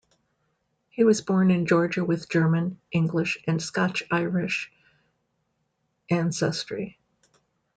He was born in Georgia with German, English and Scotch-Irish ancestry.